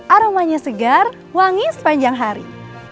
aromanya segar wangi sepanjang hari